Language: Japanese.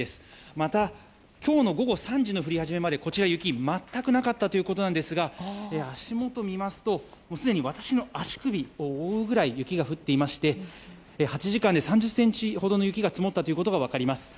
また、今日の午後３時の降り始めまで雪が全くなかったということですが足元を見ますとすでに私の足首を覆うぐらい雪が降っていまして８時間で３０ｃｍほどの雪が積もったことが分かります。